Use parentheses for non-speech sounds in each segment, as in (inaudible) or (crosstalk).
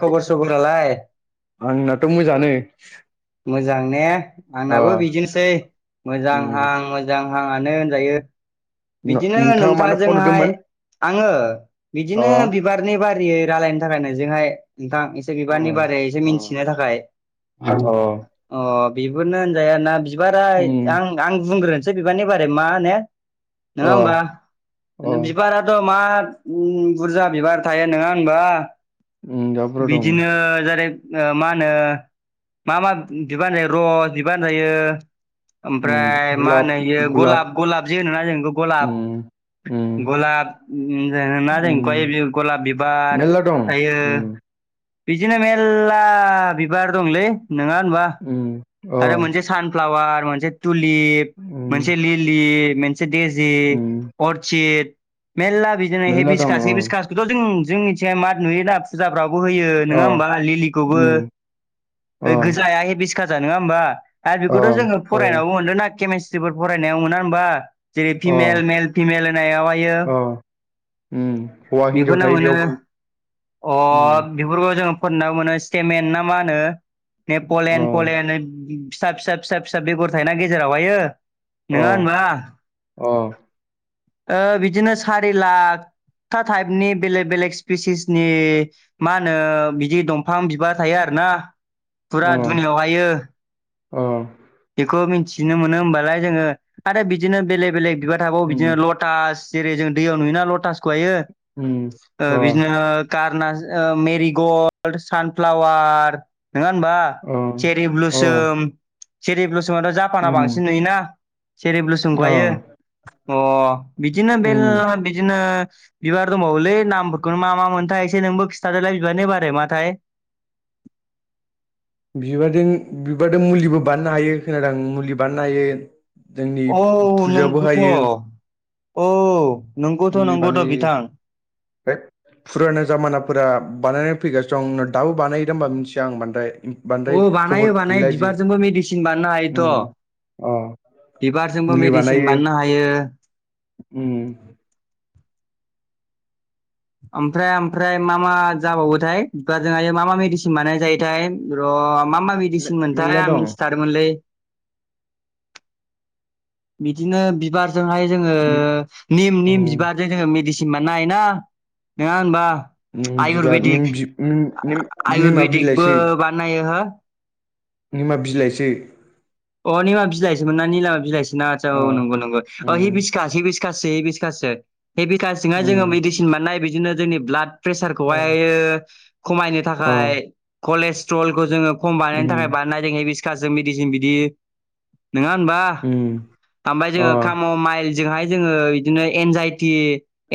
खबर सबरालाय? आंनाथ' मोजांङानो मोजां ने आंनाबो बिदिनोसै मोजां उम आं मोजां। जाङानो होनजायो बिदिनो नोंथाङा नोंथां मानो फन जोंहाय। हरदोंमोन आङो अ बिदिनो बिबारनि बारियै रायलायनो थाखाय नों बेजोंहाय नोंथां एसे अ बिबारनि बारै एसे अ मिथिनो थाखाय आं अ अ बिबोनो होनजायाना बिबाराय उम आं आं बुंग्रोनोसै बिबारनि बारै मा नो नङा अ होमबा अ बिबाराथ' मा उम बुरजा बिबार थायो नङा होनबा? उम दाबोराव दं बिदिनो जेरै ओ मा होनो मा मा बिबार जायो र' बिबार जायो उम ओमफ्राय मा गुलाब होनो इयो गुलाब गलाब गलाब जे होनोना जों इखौ गलाब उम । उम गलाब (unintelligible) जों उम गय गलाब बिबार मेरला दं थायो । उम बिदिनो मेल्ला बिबार दंलै नोङा होनबा? उम अ आरो मोनसे सानफ्लावार मोनसे टुलिप उम मोनसे लिलिप दैजि उम अर्चिड मेल्ला बिदिनो मेरला दं हेभिसकास अ हेभिसकासखौथ' जों जोंनिथियाय मा नुयोदा फुजाब ओ बो होयो अ नङा होमबाथ लिलिखौबो उम अ ओ गोजाया हेभिसकास नङा होमबा आरो अ बेखौथ' जोङो हय फरायनावौ मोनदों ना केमेस्ट्रिफोर फरायनायाव मोना होमबा जेरै अ फिमेल मेल फिमेल होननायाव हायो अ उम हौवा हिनजाव बेफोरनो थायो मोनो बेयावबो अ उम बेफोरखौ जोङो फोरनाव मोनो स्टेमेन ना मा होनो अ नेपलेण्ड पलेण्ड फिसा फिसा फिसा फिसा बेगर थायोना गेजेरावहायो अ नङा होनबा अ ओ बिदिनो सारि लाख टा टाइपनि बेलेग बेलेग स्पिसिसनि मा होनो बिदि दम फां बिबार थायो आरोना फुरा दुनियाव हायो अ खौ मिन्थिनो मोनो होमबालाय जोङो आरो बिदिनो बेलेग बेलेग बिबार थाबाव बिदिनो लटास जेरै जों दैयाव नुयोना लटासखौहायो ओ बिदिनो कारनास ओ मेरिग'ल्ड सानफ्लावार नङा होनबा चेरि ब्लुसोम चेरि ब्लुसोमथ' जापानाव बांसिन नुयोना चेरि ब्लुसोमहायो अ बिदिनो बेलला बिदिनो बिबार दंबावोलै नामफोरखौनो मा मा मोनथाय एसे नोंबो खिथादोलाय बिबारनि बारै माथाय (inaudible) बिबारजों बिबारदों मुलिबो बानायनो हायो खोनादों आं मुलि बानायनो हायो जोंनि औ नों फुजायावबो गोथ' हायो औ नंगौथ' मुलि नंगौथ' बानायो बिथां फाय फुराना जामानाफोरा बानाय फैगासि दं दाबो बानायोदा होनबा मिथिया आं बांद्राय बांद्राय अ खबर बानायो बानायो गैला इदि बिबारजोंबो मेडिसिन बानायनो हायोथ' उम अ । बिबारजोंबो मुलि मेडिसिन बानायो बानायनो हायो । उम ओमफ्राय ओमफ्राय मा मा जाबावोथाया जोंहा मा मा मेडिसिन बानाय जायोथाय रमा मा मा मे मेडिसिन मोनथाय मेल्ला आं दं मि थिथारोमोनलै बिदिनो बिबारजोंहाय जोंङो बि निम निम उम बिबारजों जोंङो मेदिसिन बानायनो हायोना थमबा नङा होनबा निम बिबार निम आयुरवेदिक बि निम निम निमा बिलाइसो आयुरवेदिकबो बानायनो हायो निमा बिलायसो अ निमा बिलाइसोमोन ना निमा बिलाइसोना आसा अ औ नंगौ नंगौ हि उम बिसका हिबिसका बिकाससो हे बिसकासो हेबिकासङाय जोंङो उम मेडिसिन मोन्नाय बिदिनो जोंनि ब्लाड अ प्रेसारखौहाय खमायनो अ थाखाय कलेस्ट्रलखौ जोंङो खम बानायनो थाखाय उम बानाय जों हे बिसकासजों मेडिसिन बिदि नोङा होनबा उम ओमबाय अ जोंङो खाम माइ जों हाय जोंङो बिदिनो एनजाइ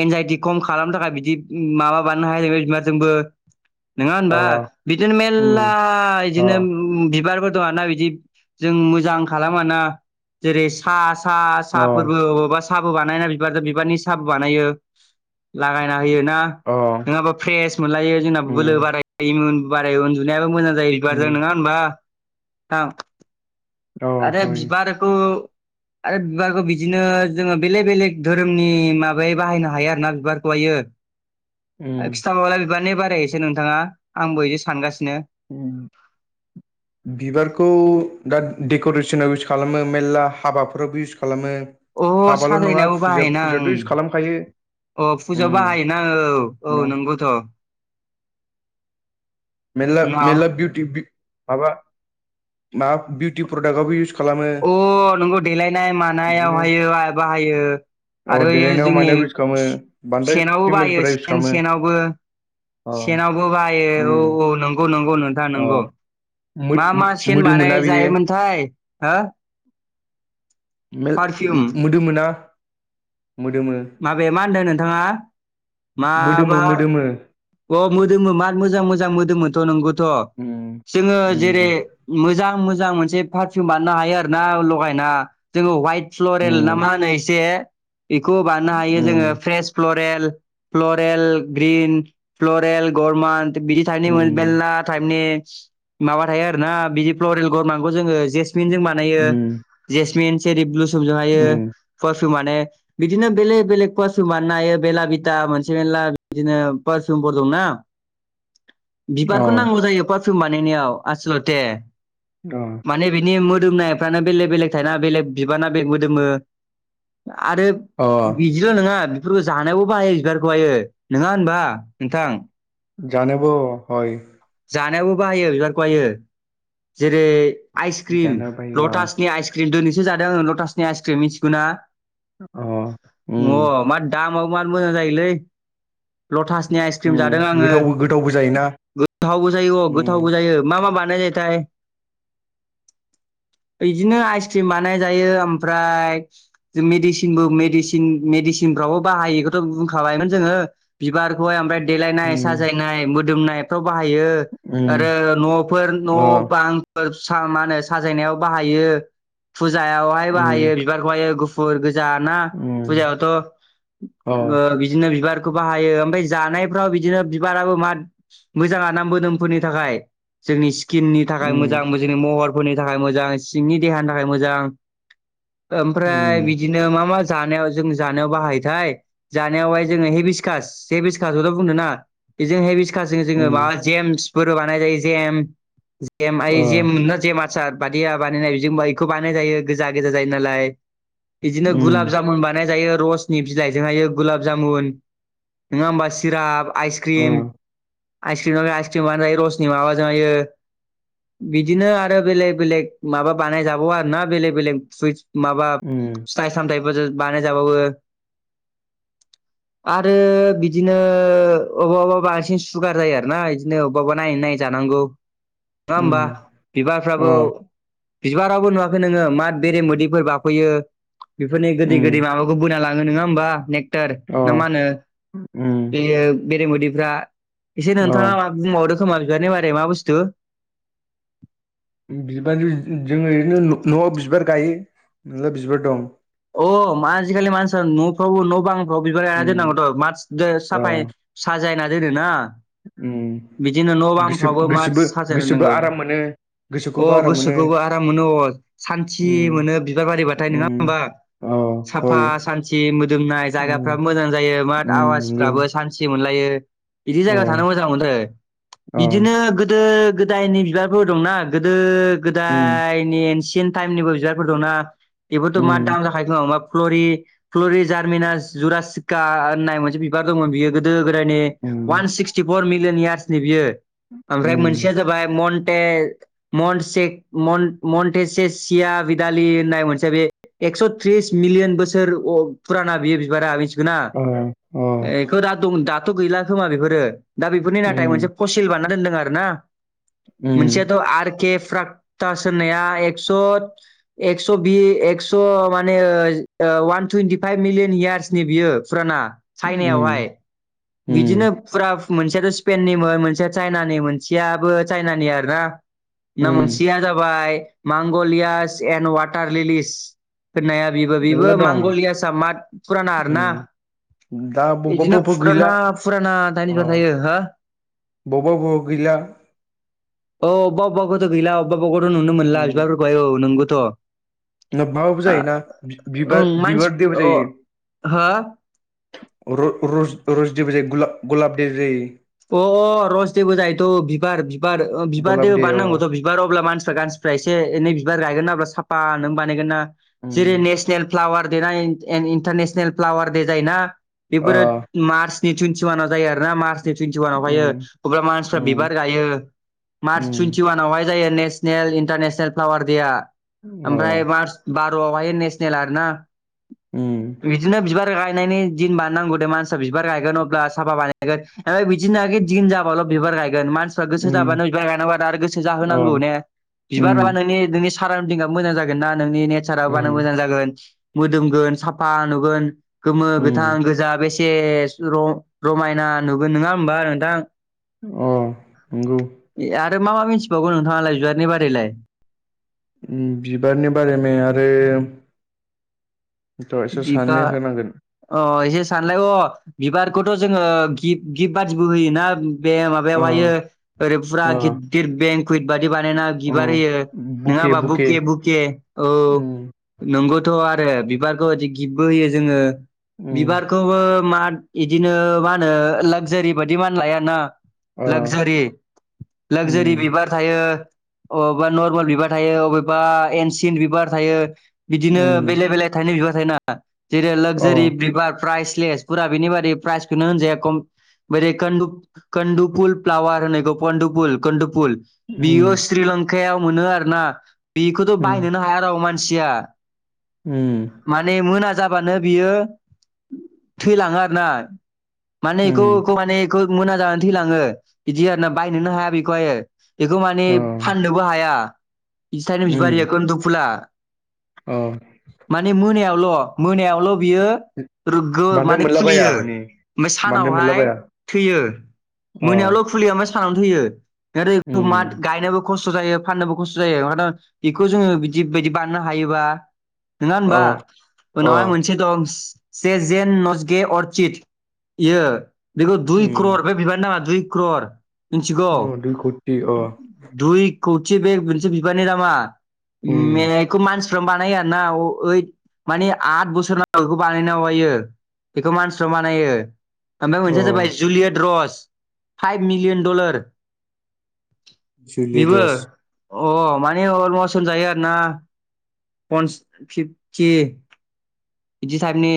एनजाइटि खम खालामनो थाखाय बि दि माबा बाननो हायो जोंबो। नोङा अ होनबा बिदिनो मेल्ला उम अ इदिनो उम-उम बिबारफोर दं ना बिदि जों मोजां खालामाना जेरै- सा-सा-सा अ फोरबो अबेबा साहाबो बानायना बिबारजों बिबारनि साहाबो बानायो लागायना। होयोना अ नङाबा फ्रेस मोनलायो जों बोलो उम बारायो उन्दुनायाबो मोजां जा जायो बिबारजों उम नोङा होनबा थां अ आरो हय बिबारखौ आरो बिबारखौ बिदिनो जोंङो बेलेग-बेलेग धोरोमनि माबायै बाहायनो हायो आरोना बिबारखौहाय यो उम आरो खिथाब्ला बिबारनि बारायनोसै नोंथाङा आंबो एसे सानगासि बिबारखौ। दा डेकरेसनाव इउस खालामो मेलला हाबाफोरावबो इउस खालामो। अ हाबाल' नङा साजायनायावबो बाहायोना फुजा-फुजायाथ इउस ओं खालामखायो। अ फुजायाव उम बाहायोना न' औ-औ नंगौथ। उनाव मेल्ला-मेल्ला बिउटि बि माबा मा बिउटि प्रदाक्ट आवबो इउस खालामो अ नंगौ देलायनाय बिदिनो मानायावहाययो आ बाहायो। अ आरो ए देलायनायाव जोंनि मानायाव इउस खालामो बांद्राय से-सेनावबो बायो फिमेलफोरा इउस सेन खालामो सेनावबो। अ सेनावबो बाहायो औ। उम औ नंगौ नंगौ नोंथां अ नंगौ मोद मा मो- मा सेन मोदोमोना बानाय बेयो जायोमोनथाय। हो? मेल पारफिउम मो-मोदोमोना। माबे मा होनदों नोंथाङा मोदोमो माबा। मोदोमो अ मोदोमो मार मोजां मोजां मोदोमोनथ नंगौथ उम जोंङो उम जेरै- मोजां मोजां मोनसे पारफिउ बानायनो हायो आरोना लगायना जोंङो वाइट उम फ्लरेल नामाहोनो एसे। बेखौ बानायनो हायो उम जोंङो फ्रेस फ्लरेल-फ्लरेल ग्रिन। फ्लरेल गरमानट बिदि थाइपनि उम मेरला टाइपनि। माबा थायो आरोना बिदि फ्लरेल गरनखौ जोंङो जेसमिन जों बानायो उम जेसमिन जेरै- ब्लुसबजों हायो उम फास माने बिदिनो बेलेक बेलेगक कवासु हायो बेला बिथा मोनसे मेरला बिदिनो फा (unintelligible) दंना अ बिबारखौ नांगौ जायो पारफिम बानायनायाव आसलथे। अ माने बिनि मो दोमनायफ्रानो बेलेग-बेलेग थायोना बेलेग बिबारना बेलेक मोदोमो। आरो अ बिदिल नोङा बेफोरखौ जानायावबो बाहाययो बिबारखौहायो। नङा होनबा? नोंथां। जानोबो अ' हय। जानायावबो बाहायो बिबारखौहाययो जेरै- आइसक्म्रि जानो बायो अ लटासनि आइसक्म्रि दो स जादों लटासनि आइसक्म्रि मिथिगौना अ उम अ' मा दा माबो माद मोजां जायोलै लटासनि आइसक्रिम उम जादों आंङो। गोथावबो गोथावबो जायोना गोथावबो जायो अ उम गोथावबो जायो मा-मा बानाय जायोथाय? (unintelligible) इदिनो आइसक्रिम बानाय जायो ओमफ्राय जों मेडिसिनबो मेडिसिन-मेडिसिन फ्रावबो बाहायो एखौथ बुंखाबायमोन जोङो बिबार खौहाय ओमफ्राय देलायनाय उम साजायनाय मोदोमनायफ्रा बाहायो उम आरो न'फोर न' अ बां । सा माहोनो साजायनायाव बाहायो फुजायावहाय उम बाहायो बिबारखौहायो गुफुर गो जाना उम फुजायावथ ओ बिदिनो बिबारखौ बाहायो ओमफाय जानायफ्राव बिदिनो बिबाराबो मा मोजां आरोना मोदोमफोरनि थाखाय जोंनि सि स्किननि थाखाय मोजां मो जोंनि महरफोरनि थाखाय मोजां सिंनि देहानि थाखाय मोजां। ओमफ्राय बिदिनो मा मा जानायाव जों जानायाव बाहायोथाय जानायावहाय जोंङो हेबिसकास हेभिसकासखौथ बुंङो ना बेजों हेभिसकास जोंङो माबा जेमस बानाय जायो जेम जेम जे ज (inaudible) आर बादिया बानायनाय बिदि बेखौ बानाय जायो गोजा गोजा जायो नालाय (inaudible) बिदिनो गलाब जामुन बानाय जायो रसनि बिलायजों हायो गलाब जामुन नङा हबा चिराप आइसक्रिम आइसक्रिम (unintelligible) बिदिनो आरो बेलेक बेलेक माबा बानायजाबाव आरो ना बेलेक बेलेग फुइस माबा फिथाइ सामथायफोरजों बानायजाबावो (inaudible) आरो बिदिनो अबेबा अबा बांसिन सुगार जायो आरो ना इदिनो अबेबा अबेबा नायै नायै जानांगौ नङा हबा बिबारफ्राबो (inaudible) बिबारावबो नुआखै नोंङो माद बेरे बिदैफोर बाफैयो बेफोरनि गोदै गोदै माबाखौ बोना लांङो नङा होमबा नेक्टार न बेयो बेरेमोदैफ्रा एसे नोंथाङा मा बुंबावदों खोमा बिबारनि बारै मा बुस्थु (inaudible) बिबालै (unintelligible) न आव बिबार गायो अ मा आजि खालि मानसिफोरा न बां बिबार गाइनाय उम दोननांगौथ मास्क औ साफाय साजायना दोनो ना उम बिदिनो न गोसो बांफ्रावबो मा गोसोबो साजायनो गोसोबो नांगौ आराम मोनो अ गोसोखौबो आराम गोसो मोनो बेखौबो आराम मोनो आं सानथि उम मोनो बिबार बारिबाथाय नोंङा उम होमबा औ साफा हय सान्थि मोदोमनाय उम जायगाफोराबो मोजां जायो बाथ उम नंगौ आवासि बि अ जाया थ मोजां मोनदों अ बिदिनो गोदो गोदायनि बिबारफोर दंनाा गोदो उम गोदाय टाइमनिबो बिारफोर दंना बेबोथ उम मा दाम जाखायो फ्लरि उम (unintelligible) वान सिक्सटिफर उम (unintelligible) मनटेसे सिया (unintelligible) एस' थ्रिस मिलियन बसोर अ पुराना बे बिबारा (inaudible) अ अ बेखौ दा दं द दाथ' गैला खोमा बेफोरो दा बेफोरनि नाथाय मोनसे उम फसिल बानना दोनदों उम मोनसेयाथ' आर केफ प्र होननाय बि (unintelligible) स' माने वान थुइन्टि फाइभ मिलियन यार्सनि बियो फुराना (inaudible) उम चाइनायावहाय बिदिनो उम फुरा (inaudible) मोनसेयाथ' स्पेननिमोन मोनसेया चाइनानि मोनसेयाबो चाइनानि आर ना (inaudible) ना उम मोनसेया (unintelligible) होननाया बेबो मेरला दं उम (unintelligible) दा बबेबा बिदिनो बबेबा फुराना गैला फुराना दाइनिब थायो हो बबाव ब गैला औ अबेबा अबेबखौथ' गैला अबेब बबेबखौथ' नु मोनला बिबायार ब औ नोंगौथ' न माबाबो जायोना ओं बिबार मानसि बिबार अ देबो जायो हो र रज रस देबो जायो गुलाब दे जायो अ अ रसदेबो जायोथ' बिबार बिबार बिबार गलाब देबो दे अ बाननांगौथ' बिबार अब्ला मानसिफ्रा गानस एसे एनै बिबार गायगोन ना साफा नों बानायगोन ना जेरै उम नेसनेल फ्लावार दा इन्टारनेसनेल फ्लावार दे जायोना अ बेफोरो मार्च तुइन्टि वान जायोना मार्स तुयथि अनाव हायो उम अब्ला मानसिफोरा उम बिबार गायो मारच उम तुयथि अवानाव जायो नेसनेल, इनटारनेसनेल फ्लाउवार देया अ ओमफ्राय मार्स बेवहाय नेसनेल आरोना उम बिदिनो बिबिार बिबार गायनायनि दिन बानायनांगौ दे मानसिया बिबार गायगोन अब्ला साफा बानायगोन ओमफ्राय बिदिनो (unintelligible) दिन जाब्ला ल' बिबार गायगोन मान गोसो जाबा उम नों बिबार गायनांगा आरो गोसो अ जाहोनांगौ ने बिबार बा उम नोंनि नोंनि सारन्दिंआ मोजां जागोन नोंनि नेचारा बानो उम मोजां जागोन मोदोमगोन साफा नुगोन गोमो, गोथां, उम गोजा बेसे रमायना नुगोन नङा हबा नोंथां अ नंगौ आरो मा मा मिन्थिबावगौ नोंथाङालाय जुहादनि बारैलाय बिबारनि बारै म आरो थ' एसे साननो बिबार होनांगोन अ एसे सानलाय अ बिबारखौथ' जोङो गि गिफ्ट बादिबो होयोना बे माबायावहायो अ ओरै फुरा अ गिद - गिद बेंकुइट बायदि बानायना अ बिबार होयो नङाबा बुके - बुके औ उम नंगौ थ आरो बिबारखौ गिप्तबो होयो जोङो उम बिबारखौबो मा बिदिनो मा होनो लाक्जारि बायदि मा लायाना अ लाक्जारि - लाक्जारि उम बिबार थायो अबेबा नर्मेल बिबार थायो अबेबा एनसिन्ट बिबार थायो बिदिनो उम बेले -बेले थाइननाय बिबार थायनाङा जेरै अ लाक्जारि बिबार प्राइज स्लेस फुरा बेनि बादि प्राइजखौनो होनजाया खम ब क कदु फुल फ्लावारहोनायखौ ग पदु फुल कदुफुल उम बियो श्रीलंकायाव मोनो आरोना बेखौथ' उम बायनोनो हाया राव मानसि दुसिया उम माने मोना जाबानो बियो थैलाङो आरो ना माने बेखौ उम बेखौ माने बेखौ मोनां जानानै थैलाङो बिदि आर ना बायनोनो हाया बेखौहायो बेखौ माने अ फाननोबो हाया बिसानो बिबार इयो‌ खनदु फुला औ मोनायावल'- मोनायावल' बियो रोगो बांद्राय माने मोनलाबाया खुलियो माने बांद्राय सानावहाय मोनलाबाया थैयो अ मोनायावल' फुलिया म थानानै थैयो म उम गायनोबो खस्थ' जायो फाननोबो खस्थ' जायो ओंनो बेखौ जोङो बिदि बदि बानायनो हायोबा नङा अ होनबा अ उनावहाय मोनसे दं से जेन नसगे अरसिड इयो बेखौ दुइ उम क्रर बे बिबार नाङा दुइ क्रर मिथिगौ अ दुइ कौटि अ दुइ खौथि बेग बिसे बिबारनि दामा उम म बेखौ मानसिफ्रानो बानायो आर ना ओइद मानि आद बोसोरनाव बेखौ बानायना होयो बेखौ मानसिफ्रा बानायो ओमफ्राय अ मोनसेया जाबाय जुलियेट रस फाइभ मिलियन डलार जुलिइद बेबो दस अ माने अलमस्ट होनजायो आरो ना (inaudible) थि बिदि थाइफनि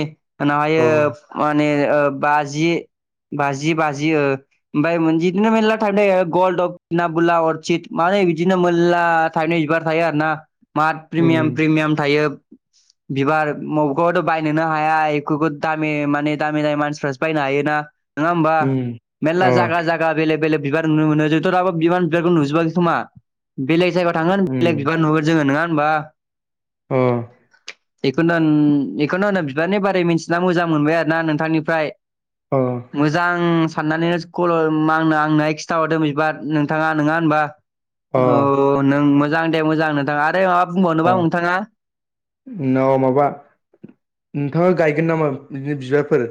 अ उनावहायो माने ओ बाजि बाजि, बाजि ओ ओमफाय मोनजि बिदिनो मेरला थायफनि ओ गल्ड अफना बुलाव अरसिद मा नै बिदिनो मेलला थाइपनि बिबार थायो आरो ना मा उम प्रिमियाम प्रिमियाम थायो बिबार बबेखौथ' बायनोनो हाया (inaudible) दामि माने दामि दामि मानसिफ्रासो बायनो हायोना। नङा होमबा उम मेल्ला अ जागा जागा बेलेग - बेलग बिबार नुनो मोनो जोंथ' दाबो बिबार बिबारखौ नुजोबाखै खोमा बेलेग जायगा थांगोन बेलेग उम बिबार नुगोन जोङो नोङा होमबा ओ । बेखौनथन बेखौनो होनो बिबारनि बारै मिथिना मोजां मोनबाय आरो ना नोंथांनिफ्राय अ । मोजां साननानैनो (unintelligible) आंनो खिन्थाहरदों बिबार नोंथाङा नङा होनबा? अ औ नों मोजां दे मोजां नोंथाङा आरो माबा बुंबावनोबा नोंथाङा? नाव माबा नोंथाङा गायगोन नामा बिदिनो बिबारफोर?